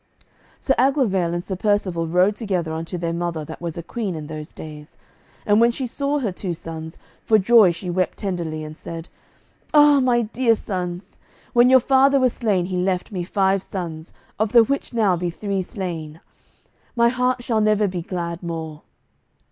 Sir Aglovale and Sir Percivale rode together unto their mother that was a queen in those days. And when she saw her two sons, for joy she wept tenderly and said, "Ah my dear sons, when your father was slain he left me five sons, of the which now be three slain; my heart shall never be glad more."